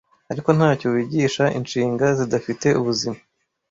ariko ntacyo wigisha inshinga zidafite ubuzima